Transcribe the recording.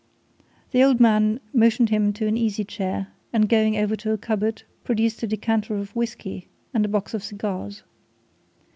The old man motioned him to an easy chair, and going over to a cupboard, produced a decanter of whisky and a box of cigars.